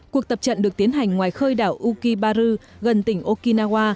cuộc tập trận được tiến hành ngoài khơi đảo ukibaru gần tỉnh okinawa